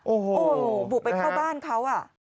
โอ้โหบุกไปเข้าบ้านเขาอ่ะ